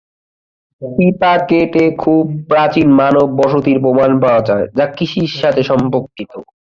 সিপাকেট-এ খুব প্রাচীন মানব বসতির প্রমাণ পাওয়া যায়, যা কৃষির সাথে সম্পর্কিত।